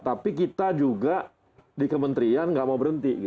tapi kita juga di kementerian nggak mau berhenti